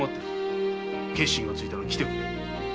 決心がついたら来てくれ。